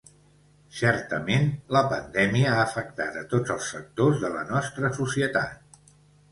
Certament, la pandèmia ha afectat a tots els sectors de la nostra societat.